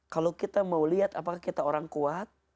kalau kita mau lihat apakah kita orang kuat